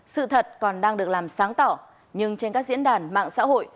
sự thật còn đang được làm sáng tỏ nhưng trên các diễn đàn mạng xã hội